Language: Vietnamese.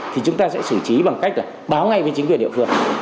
thì chúng ta sẽ xử trí bằng cách là báo ngay với chính quyền địa phương